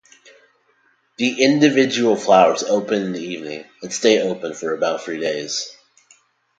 The individual flowers open in the evening, and stay open for about three days.